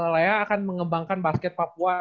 lea akan mengembangkan basket papua